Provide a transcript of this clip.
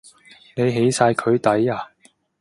你起晒佢底呀？